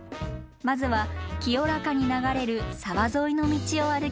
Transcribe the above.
まずは清らかに流れる沢沿いの道を歩きます。